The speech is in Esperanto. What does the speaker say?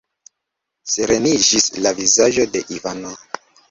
Sereniĝis la vizaĝo de Ivano.